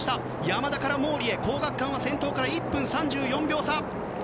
山田から毛利へ皇學館は先頭から１分３４秒差。